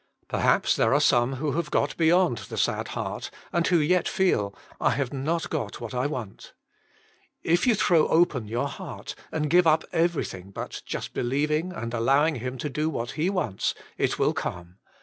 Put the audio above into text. Perhaps there are some 16 JesvLS Himself. who have got beyond the sad heart and who yet feel, *' I have not got what I want." If you throw open your heart and give up everything but just believ ing and allowing Him to do what He wants, it will come.